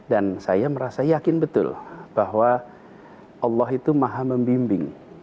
dan saya merasa yakin betul bahwa allah itu maha membimbing